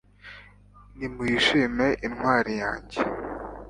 nimuyishime intwari yanjye